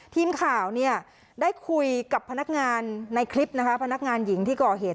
ทีมข่าวเนี่ยได้คุยกับพนักงานในคลิปนะคะพนักงานหญิงที่ก่อเหตุ